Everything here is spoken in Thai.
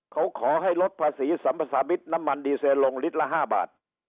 เขาขอให้ลดภาษีสัมภาษามิตรน้ำมันดีเซลลงลิตรละ๕บาท